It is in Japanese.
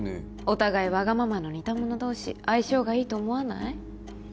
お互いワガママの似たもの同士相性がいいと思わない？